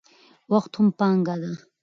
وخت هم پانګه ده.